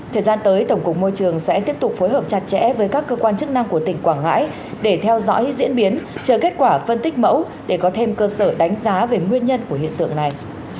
thời gian tới tổng cục môi trường sẽ tiếp tục phối hợp chặt chẽ với các cơ quan chức năng của tỉnh quảng ngãi để theo dõi diễn biến chờ kết quả phân tích mẫu để có thêm cơ sở đánh giá về nguyên nhân của hiện tượng này